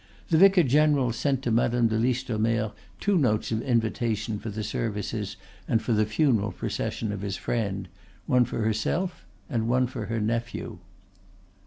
The vicar general sent to Madame de Listomere two notes of invitation for the services and for the funeral procession of his friend; one for herself and one for her nephew.